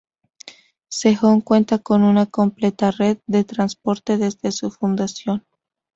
Sejong cuenta con una completa red de transporte desde su fundación.